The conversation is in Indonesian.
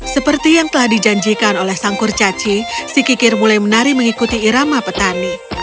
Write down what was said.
seperti yang telah dijanjikan oleh sang kurcaci si kikir mulai menari mengikuti irama petani